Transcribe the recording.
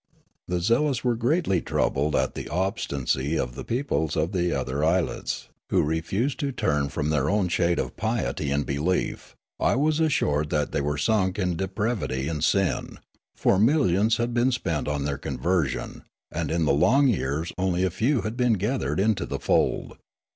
The zealous were greatl}' troubled at the obstinac} of the peoples of the other islets, who refused to turn from their own shade of piety and belief ; I was assured that they were sunk in depravity and sin ; for millions had been spent on their conversion, and in the long years only a few had been gathered into the fold.